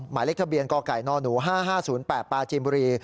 หมายเลขทะเบียนกไก่นหนู๕๕๐๘ปลาจีนบุรี